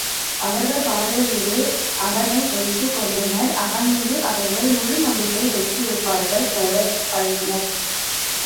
அவர்கள் பார்வையிலேயே அவனை வைத்துக் கொண்டனர் அவன் மீது அவர்கள் முழு நம்பிக்கை வைத்திருப்பவர்கள் போலப் பழகினர்.